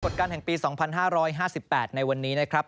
การแห่งปี๒๕๕๘ในวันนี้นะครับ